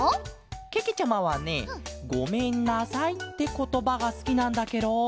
けけちゃまはね「ごめんなさい」ってことばがすきなんだケロ。